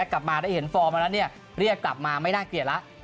กลับมาได้เห็นฟอร์มมาแล้วเรียกกลับมาไม่น่าเกลียดแล้ว